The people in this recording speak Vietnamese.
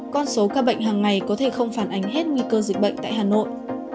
con số ca bệnh hàng ngày có thể không phản ánh hết nguy cơ dịch bệnh tại hà nội